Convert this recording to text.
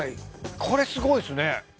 これすごいですね。